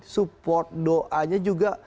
support doanya juga